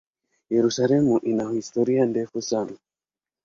Yerusalemu ina historia ndefu sana.